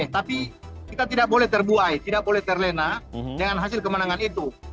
tapi kita tidak boleh terbuai tidak boleh terlena dengan hasil kemenangan itu